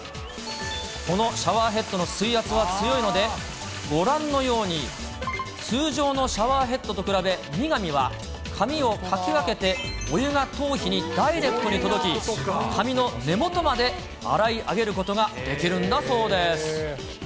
このシャワーヘッドの水圧は強いので、ご覧のように、通常のシャワーヘッドと比べ、ミガミは、髪をかき分けて、お湯が頭皮にダイレクトに届き、髪の根元まで洗い上げることができるんだそうです。